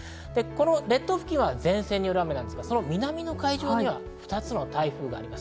列島付近は前線による雨ですが南の海上には２つの台風があります。